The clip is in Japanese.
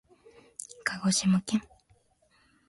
かごしまけん